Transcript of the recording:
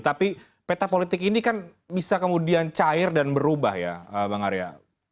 tapi peta politik ini kan bisa kemudian cair dan berubah ya bang arya